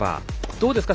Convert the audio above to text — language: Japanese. どうですか？